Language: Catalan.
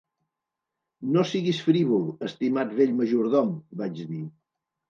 "No siguis frívol, estimat vell majordom", vaig dir.